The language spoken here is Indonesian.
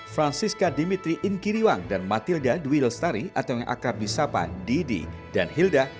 francisca dimitri inkiriwang dan matilda dwi lestari atau yang akrab di sapa didi dan hilda